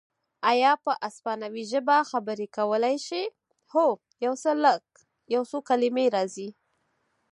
ایا په اسپانوي ژبه خبرې کولای شې؟ هو، یو څه لږ، یو څو کلمې راځي.